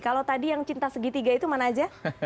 kalau tadi yang cinta segitiga itu mana aja